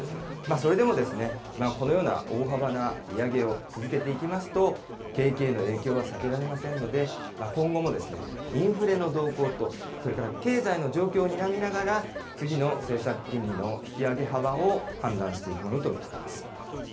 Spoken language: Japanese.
それでもですね、このような大幅な利上げを続けていきますと、景気への影響は避けられませんので、今後もですね、インフレの動向と、それから経済の状況をにらみながら、次の政策金利の引き上げ幅を判断していくものと見られます。